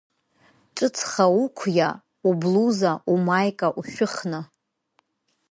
Ҿыцха уқәиа, ублуза, умаика ушәыхны.